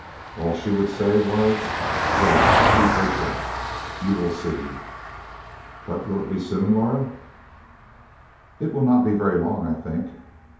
All she would say, was: "Wait. Be patient. You will see." "But will it be soon, Laura?" "It will not be very long, I think."